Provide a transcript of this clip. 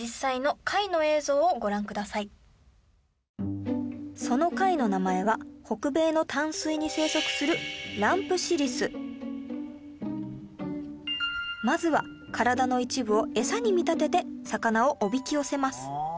それではその貝の名前は北米の淡水に生息するまずは体の一部をエサに見立てて魚をおびき寄せます